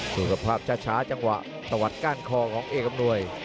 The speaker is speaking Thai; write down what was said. ดูกับภาพช้าจังหวะสวัสดิ์ก้านคอของเอกกับหน่วย